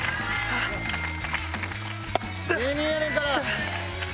芸人やねんから。